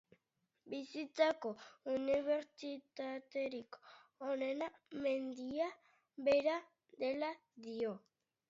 Bizitzako unibertsitaterik onena mendia bera dela dio.